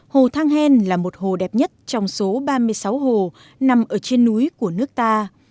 hồ thang hen là một hồ đẹp nhất trong số ba mươi sáu hồ nằm ở trên núi của nước ta